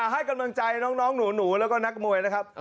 ให้กำลังใจน้องหนูแล้วก็นักมวยนะครับ